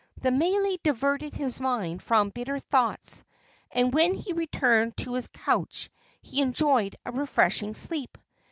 The mele diverted his mind from bitter thoughts, and when he returned to his couch he enjoyed a refreshing sleep.